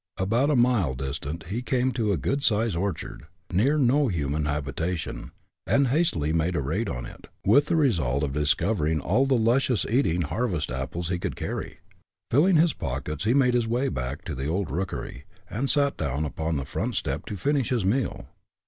About a mile distant he came to a good sized orchard, near no human habitation, and hastily made a raid on it, with the result of discovering all the luscious eating harvest apples he could carry. Filling his pockets he made his way back to the old rookery, and sat down upon the front step to finish his meal.